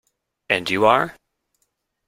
And you are?